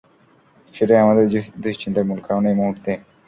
সেটাই আমাদের দুঃশ্চিন্তার মূল কারণ এই মুহূর্তে!